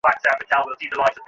এটাতে তো মারাত্মক ইমোশন ছিল!